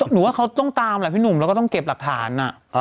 หนูว่าเขาต้องตามแหละพี่หนุ่มแล้วก็ต้องเก็บหลักฐาน